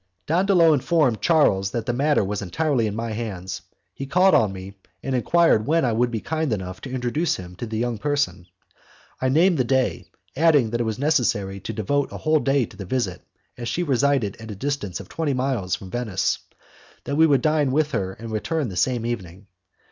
Dandolo having informed Charles that the matter was entirely in my hands, he called on me and enquired when I would be kind enough to introduce him to the young person. I named the day, adding that it was necessary to devote a whole day to the visit, as she resided at a distance of twenty miles from Venice, that we would dine with her and return the same evening.